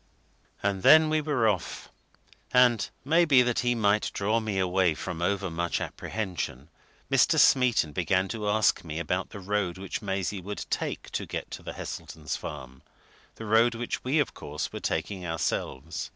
And then we were off; and maybe that he might draw me away from over much apprehension, Mr. Smeaton began to ask me about the road which Maisie would take to get to the Heseltons' farm the road which we, of course, were taking ourselves.